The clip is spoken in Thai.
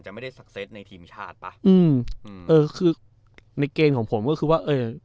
ไม่ได้สักเซตในทีมชาติป่ะอืมอืมเออคือในเกณฑ์ของผมก็คือว่าเออ